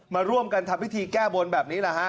มาร่วมกันทำพิธีแก้บนแบบนี้แหละฮะ